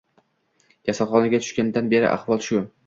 Kasalxonaga tushganimdan beri ahvol shu